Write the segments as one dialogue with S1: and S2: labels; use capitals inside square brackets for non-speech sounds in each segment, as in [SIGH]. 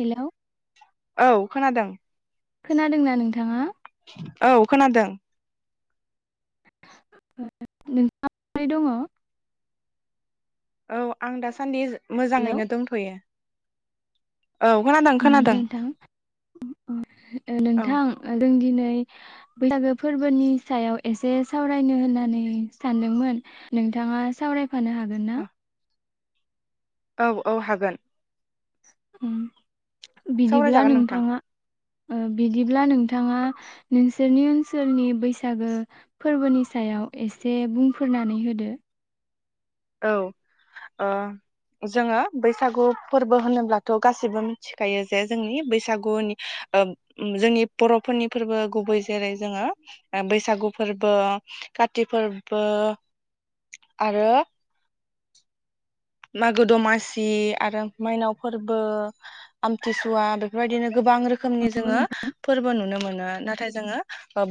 S1: हेल'
S2: औ खोनादों
S1: खोनादोंना नोंथाङा
S2: औ खोनादों
S1: [INAUDIBLE]
S2: औ आं दासान्दि
S1: हेलौ
S2: मोजाङैनो दंथ'यो औ खोनादों
S1: नंगौ
S2: खोनादों
S1: नोंथां
S2: औ
S1: नोंथां जों दिनै बैसागो फोरबोनि सायाव एसे सावरायनो होननानै सानदोंमोन नोंथाङा सावराय फानो हागोन ना
S2: औ औ हागोन
S1: उम बिदिब्ला
S2: सावरायजागोन नोंथां
S1: नोंथाङा बिदिब्ला नोंथाङा नोंसोरनि ओनसोलनि बैसागो फोरबोनि सायाव एसे बुंफोरनानै होदो?
S2: औ जोङो बैसागु फोरबो होनोब्लाथ' गाैबो मिथिखायो जे जोंनि बैसागुनि जोंनि बर'फोरनि फोरबो गुबै जेरै जोङो बैसागु फोरबो काति फोरबो आरो मागो दमासि आरो मायनाव फोरबो आमथिसुवा बेफोरबायदिनो गोबां रोखोमनि
S1: नंगौ
S2: जोङो
S1: नोंथां
S2: फोरबो नुनो मोनो। नाथाय जोङो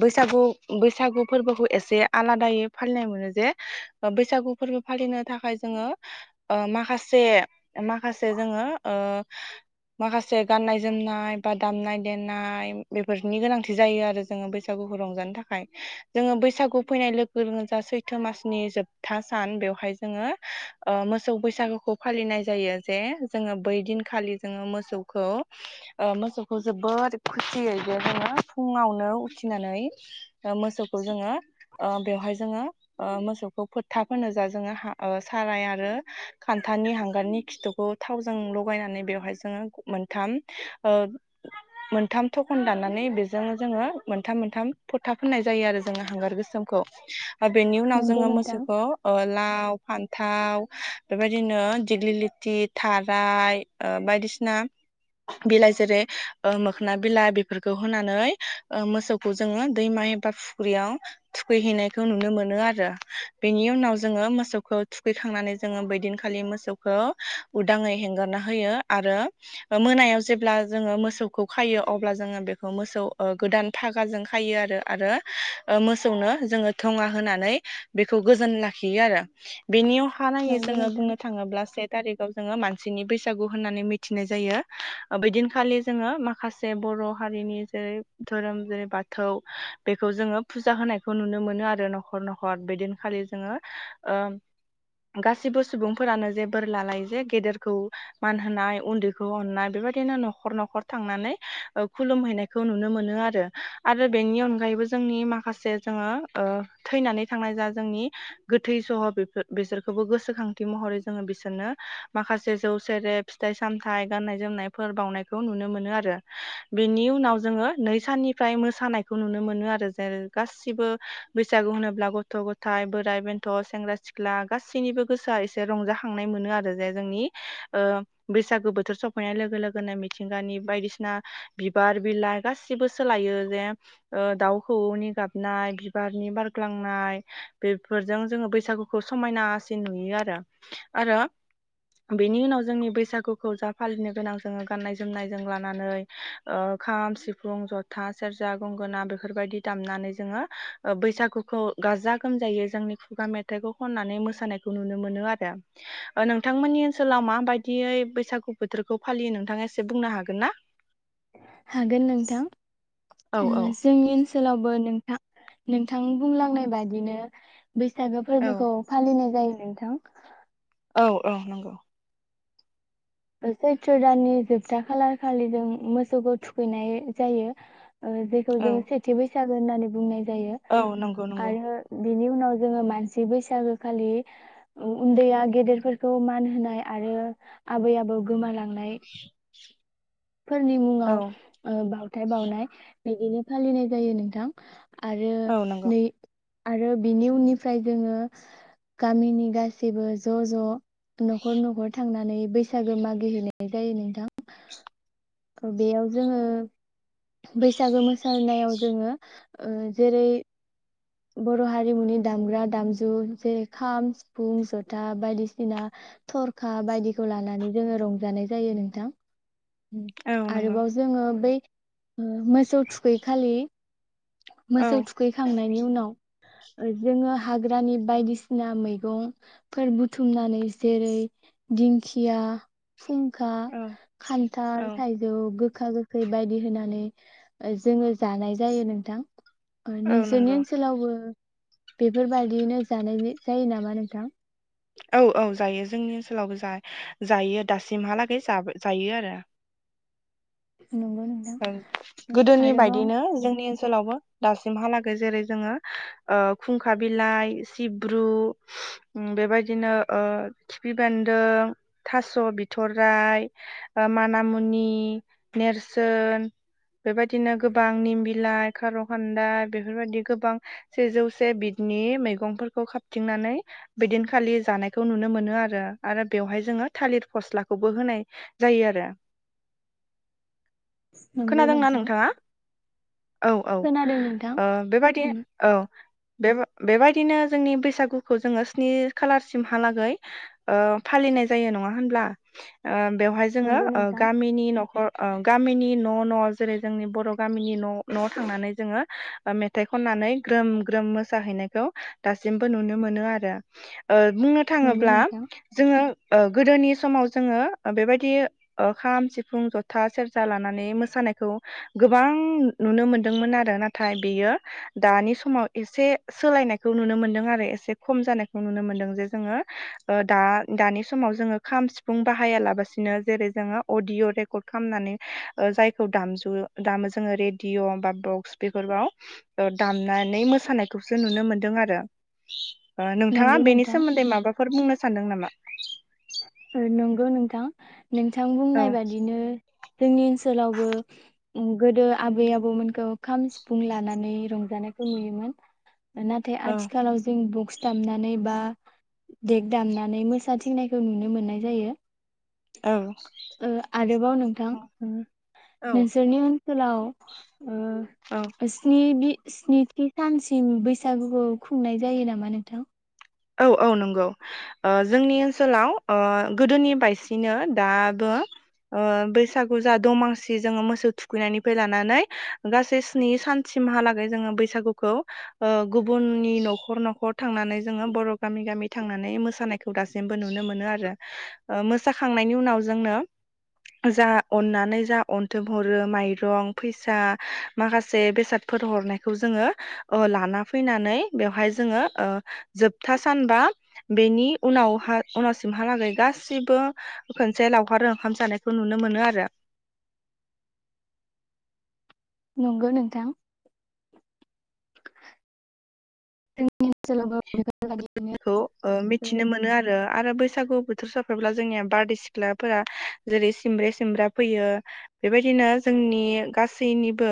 S2: बैसागु बैसागु फोरबोखौ एसे आलादायै फालिनाय मोनो जे बैसागु फोरबो फालिनो थाखाय जोङो माखासे माखासे जोङो माखासे गाननाय जोमनाय बा दामनाय देनाय बेफोरनि गोनांथि जायो आरो जोङो बैसागुखौ रंजानो थाखाय जोङो बैसागु फैनाय लोगो लोगोजा सैथो मासनि जोबथा सान बेवहाय जोङो मोसौ मोसौ बैसागुखौ फालिनाय जायो जे जोङो बै दिनखालि जोङो मोसौखौ मोसौखौ जोबोोर खुसियै बे जोङो फुङावनो उथिनानै मोसौखौ जोङो बेवहाय जोङो मोसौखौ फोथा फोनो जा जोङो साराय आरो खान्थानि हांगारनि खिथुखौ थावजों लगायनानै बेवहाय जोङो मोनथाम ओ मोनथाम थखन दाननानै बेजों जोङो मोनथाम मोनथाम फोथा फोनना होननाय जायो आरो जोङो हांगार गोसोमखौ बेनि उनाव
S1: नंगौ
S2: जोङो
S1: नोंथां
S2: मोसौखौ लाव फान्थाव, बेबायदिनो दिग्लि लथि थाराय बायदिसिना बिलाइ जेरै मोखोन बिलाइ बेफोरखौ होनानै मोसौखौ जोङो दैमा एबा फुख्रियाव थुखैहैनायखौ नुनो मोनो आरो बेनि उनाव जोङो मोसौखौ थुखैखांनानै जोङो बैदिनखालि मोसौखौ उदाङै हेंगारना होयो आरो मोनायाव जेब्ला जोङो मोसौखौ खायो अब्ला जोङो बेखौ मोसौ गोदान फागाजों खायो आरो आरो मोसौनो जोङो थङा होनानै बेखौ गोजोन लाखियो आरो बेनि हा नाङै
S1: नंगौ
S2: जोङो
S1: नोंथां
S2: बुंनो थाङोब्ला से थारिखआव जोङो मानसिनि बैसागु होननानै मिथिनाय जायो बेदिनखालि जोङो माखासे बर' हारिनि जेरै धोरोम जेरै बाथौ बेखौ जोङो फुजा होनायखौ नुनो मोनो आरो न'खर न'खर बेदिनखालि जोङो गासिबो सुबुंफोरानो जे बोर ला लायो जे गेदेरखौ मान होनोनाय उन्दैखौ अननाय बेबायदिनो न'खर न'खर थांनानै खुलुमहैनायखौ नुनो मोनो आरो आरो बेनि अनगायैबो जोंनि माखासे जोङो थैनानै थांनाय जा जोंनि गोथै सह' बेफोर बिसोरखौबो गोसोखांथि महरै जोङो बिसोरनो माखासे जौ सेरेब फिथाइ सामथाइ गाननाय जोमनायफोर बावनायखौ नुनो मोनो आरो बेनि उनाव जोङो नै साननिफ्राय मोसानायखौ नुनो मोनो आरो जेरै गासिबो बैसागु होनोब्ला गथ' गथाय बोराइ बेन्थ' सेंग्रा सिख्ला सिख्ला गासैनिबो गोसोआ एसे रंजाखांनाय मोनो आरो जे जोंनि बैसागु बोथोर सफैनाय लोगो लोगोनो मिथिंगानि बायदिसिना बिबार बिलाइ गासिबो सोलायो जे दाउखौनि गाबनाय बिबारनि बारग्लांनाय बेफोरजों जोङो बैसागु समायनासिन नुयो आरो आरो बेनि उनाव जोंनि बैसागुखौ जा फालिनो गोनां जोङो गाननाय जोमनाय जों लानानै खाम, सिफुं, जथा, सेरजा, गंगोना बेफोरबायदि दामनानै जोङो बैसागुखौ गाजा गोमजायै जोंनि खुगा मेथाइ मेथायखौ खननानै मोसानायखौ नुनो मोनो आरो नोंथांमोननि ओनसोलाव माबायदियै बैसागु बोथोरखौ फालियो नोंथाङा एसे बुंनो हागोन ना?
S1: हागोन नोंथां।
S2: औ
S1: उम
S2: औ
S1: जोंनि ओनसो सोलावबो नोंथां नोंथां बुंलांनाय बादिनो बैसागो फोरबोखौ फालिनाय जायो। नोंथां।
S2: औ औ नंगौ।
S1: सैत्र दाननि जोबथा खालार खालि जों मोसौखौ थुखैनाय जायो। ओ जेखौ
S2: औ
S1: जो सेथि बैसा गो होननानै बुंनाय जायो
S2: औ नंगौ नंगौ
S1: आरो बिनि उनाव जोङो मानसि बैसागो खालि उन्दैया गेदेरफोरखौ मान होनाय आरो आबै आबौ गोमालां नाय फोरनि
S2: औ
S1: मुङाव ओ बावथाय बावनाय बिदिनो फालिनाय जायो नोंथां। आरो
S2: औ नंगौ
S1: नै आरो बिनि उननिफ्राय जोङो गामिनि गासैबो ज' ज' न'खर न'खर थांनानै बैसागो मागिहैनाय जायो नोंथां। बेयाव जोङो बैसागो मो सानायाव जोङो ओ जेरै बर' हारिमुनि दामग्रा दामजु जेरै खाम, सिफुं, जथा बायदिसिना थरखा बायदिखौ लानानै जोङो रंजानाय जायो नोंथां। उम
S2: औ नंगौ
S1: आरोबाव जोङो बै ओ मोसौ थुखै खालि
S2: औ
S1: मोसौ थुखैखांनायनि उनाव जोङो हाग्रानि बायदिसिना मैगं फोर बुथुमनानै जेरै दिंखिया फुंखा
S2: औ
S1: खान्थाल,
S2: औ
S1: थाइजौ गो खा गोखै बायदि होनानै जोङो जानाय जायो नों थां ओ
S2: औ
S1: नोंसोरनि
S2: नंगौ
S1: ओनसोलावबो बेफोरबायदियैनो जानायनि जायो नामा नोंथां?
S2: औ औ जायो जोंनि ओनसोलावबो जा जायो दासिमहालागै जाबो जायो आरो
S1: नंगौ नोंथां
S2: ओं गोदोनि
S1: आरोबाव
S2: बायदिनो जोंनि ओन सोलावबो दासिमहालागै जेरै जोङो ओ खुंखा बिलाइ सिब्रु बेबायदिनो ओ खिफि बेन्दों, थास' बिथराइ माना मुनि नेर सोन बेबायदिनो गोबां निम बिलाइ, खार' खान्दा बेफोरबायदि गोबां सेजौसे बिदनि मैगंफोरखौ खाबथिंनानै बिदिनखालि जानायखौ नुनो मोनो आरो आरो बेवहाय जोङो थालिर फस्लाखौबो होनाय जायो आरो
S1: नंगौ
S2: खोनादों ना
S1: नोंथां
S2: नोंथाङा?
S1: खोनादों नोंथां
S2: औ-औ-ओ बेबादि औ। बे बेबायदिनो जोंनि बैसागुखौ जोङो स्नि खालारसिमहालागै ओ फालिनाय जायो नङा होनब्ला ओ? बेवहाय जोङो
S1: नंगौ
S2: ओ
S1: नोंथां
S2: गामिनि न'खर ओं। गामिनि न' न' जेरै जोंनि बर' गामिनि न' न'आव थांनानै जोङो मेथाइ खननानै ग्रोम ग्रोम मोसाहैनायखौ दासिमबो नुनो मोनोआरो। ओ बुंनो
S1: नंगौ
S2: थाङोब्ला
S1: नोंथां
S2: जोङो ओ गोदोनि समाव जोङो बेबायदि ओ खाम सिफुं जथा सेर जा लानानै मोसानायखौ गोबां नुनो मोनदोंमोन आरो नाथाय बेयो दानि समाव एसे सोलायनायखौ नुनो मोनदोंआरो एसे खम जानायखौ नुनो मोनदों जे जोङो दा दानि समाव जोङो खाम सिफुं बाहायालाबासिनो जेरै जोङो अडिअ' रेकर्ड खालामनानै ओ जायखौ दामजु दामो जोङो रेडिअ' बा बक्स बेफोरबाव ओ दामनानै मोसानायखौसो नुनो मोनदोंआरो। ओ नोंथाङा
S1: नंगौ
S2: बेनि
S1: नोंथां
S2: सोमोन्दै माबाफोर बुंनो सानदों नामा?
S1: ओ नंगौ नोंथां। नोंथां
S2: औ
S1: बुंनाय बादिनो जोंनि ओनसोलावबो उम गोदो आबै आबौमोनखौ खाम सिफुं लानानै रंजानायखौ नुयोमोन। नाथाय
S2: औ
S1: आथिखालाव जों बक्स दामनानै बा देग दामनानै मोसाथिंनाय जों नुनो मोननाय जायो।
S2: औ
S1: औ आरोबाव नोंथां उम
S2: औ
S1: नोंसोरनि हे लाउ।
S2: औ
S1: ओ स्नि बि स्निथि सानसिम बैसागुखौ खुंनाय जायो नामा नोंथां?
S2: औ औ नंगौ ओ जोंनि ओनसोलाव ओ गोदोनि बायसिनो दाबो ओ बैसागु जा दमांसि जोङो मोसौ थुखैनायनिफ्राय लानानै। गासै स्नि सानथि उनहालागै जोङो बैसागुखौ गुबुननि न'खर न'खर थांनानै। जोङो बर' गामि गामि थांनानै मोसानायखौ दासिमबो नुनो मोनो आरो मोसाखांनायनि उनाव जोंनो जा अन्नानै जा अनथुम हरो माइरं फैसा माखासे बेसादफोर हरनायखौ जोङो ओ लाना फैनानै बेवहाय जोङोओ। जोबथा सानबा बेनि उनावहा उनावसिमहालागै गाससिबो खनसे लावखार ओंखाम जानायखौ नुनो मोनो आरो।
S1: नंगौ नोंथां। जोंनि ओनसोलावबो
S2: [UNINTELLIGIBLE]
S1: बेफोरबायदिनो
S2: मिथिनो मोनो आरो आरो बैसागु। बोथोर साफैब्ला जोंनिया बारदै सिख्लाफोरा जेरै सिमब्रे सिमब्रा फैयो बेबायदिनो जोंनि गासैनिबो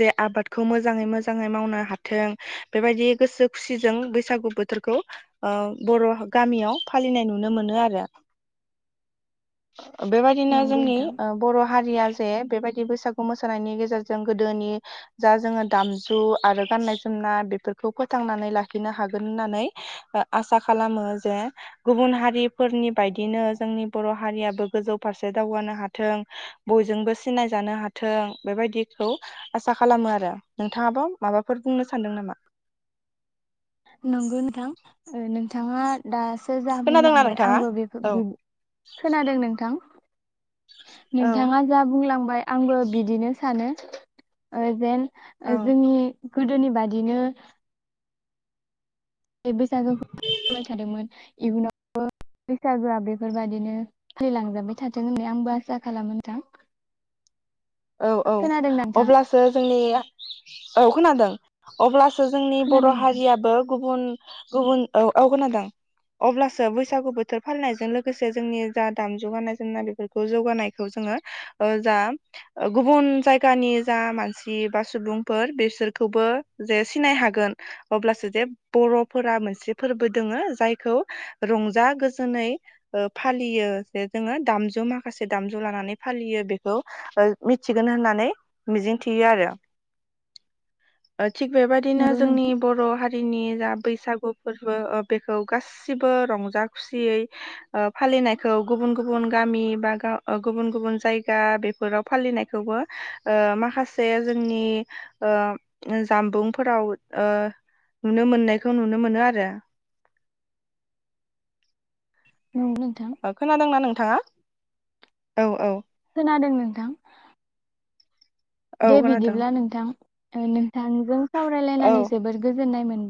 S2: जे आबादखौ मोजै मोजाङै मावनो हाथों बेबायदि गोसो। खुसिजों बैसागु बोथोरखौ ओ बर' गामियाव फालिनाय नुनो मोनो आरो। बेबायदिनो
S1: नंगौ
S2: जोंनि
S1: नोंथां
S2: ओ बर' हारिया जे बेबायदि बैसागु मोसानायनि गेजेरजों गोदोनि जा जोङो दामजु आरो गान्नाय जोमनाय बेफोरखौ फो फोथांनानै लाखिनो हागोन होननानै आसा खालामो जे गुबुन हारिफोरनि बायदिनो जोंनि बर' हारियाबो गोजौ फारसे दावगानो हाथों बयजोंबो सिनायजानो हाथों बेबायदिखौ आसा खालामो आरो नोंथाङाबो माबाफोर बुंनो सानदों नामा?
S1: नंगौ नोंथां नोंथाङा दा। औ जा
S2: खोनादोंना
S1: बुंलांबाय
S2: नोंथाङा
S1: आंबो बेखौ
S2: औ
S1: बेदि खोनादों नोंथां?
S2: औ
S1: नोंथाङा जा बुंलांबाय आंबो बिदिनो सानो। ओ जेन जोंनि गोदोनि बादिनो [UNINTELLIGIBLE] थादोंमोन इयुनावबो बैसागोआ बेफोरबाददिनो फालिलांजाबाय थाथों होननानै आंबो आसा खालामो नोंथां
S2: औ औ
S1: खोनादों नोंथां
S2: अब्लासो जोंनि औ खोनादों अब्लासो जोंनि बर'
S1: खोनादों नोंथां
S2: हारियाबो गुबुन गुबुन औ औ खोनादों अब्लासो बैसागु बोथोर फालिनायजों लोगोसे जोंनि जा दामजु गाननाय जोमनाय बेफोरखौ जौगानायखौ जोङो ओ जा गुबुन जायगानि जा मानसि बा सुबुंफोर बेसोरखौबो जे सिनाय हागोन अब्लासो जेबबो बर'फोरा मोनसे फोरबो दोङो जायखौ रंजा गोजोनै फालियो जे जोङो दामजु माखासे दामजु लानानै फालियो बेखौ मिथिगोन होननानै मिजिं थियो आरो औ थिग बेबायदिनो
S1: नंगौ
S2: जोंनि
S1: नोंथां
S2: बर' हारिनि जा बैसागु फोरबो ओ बेखौ गासिबो रंजा खुसियैओ फालिनायखौ गुबुन गुबुन गामि बा ओ गुबुन गुबुन जायगा बेफोराव फालिनायखौबो ओ माखासे जोंनि ओ जामबुंफोराव ओ नुनो मोननायखौ नुनो मोनो आरो
S1: नंगौ नोंथां
S2: अ खोनादोंना? नोंथाङा औ औ
S1: खोनादों नोंथां
S2: औ
S1: दे
S2: खोनादों।
S1: बिदिब्ला नोंथां। ओ नों थांजों
S2: औ
S1: सावरायलायनानै जोबोद गोजोननाय मोन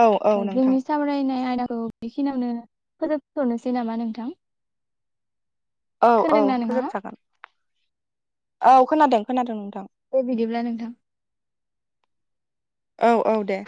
S2: औ औ नोंथां
S1: जोंनि सावरायनाय आय बेखिनियावनो फोजोबथनोसै नामा नोंथां
S2: औ औ
S1: खोनादोंना नोंथाङा
S2: फोजोबजागोन औ खोनादों खोनादों नोंथां।
S1: दे बिदिब्ला नोंथां
S2: औ औ दे